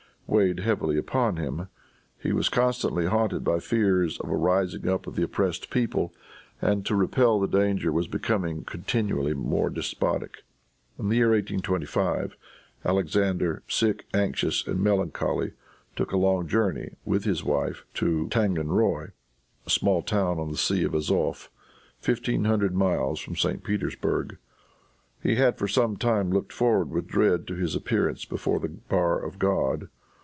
weighed heavily upon him. He was constantly haunted by fears of a rising of the oppressed people, and to repel that danger was becoming continually more despotic. In the year 1825, Alexander, sick, anxious and melancholy, took a long journey, with his wife, to Tanganroy, a small town upon the Sea of Azof, fifteen hundred miles from St. Petersburg. He had for some time looked forward with dread to his appearance before the bar of God.